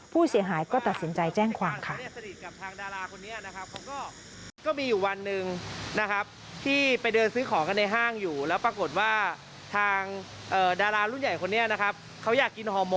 ผู้เสียหายก็ตัดสินใจแจ้งความค่ะ